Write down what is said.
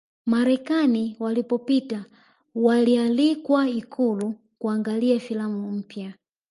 Marekani waliyopita walialikwa ikulu kuangalia filamu mpya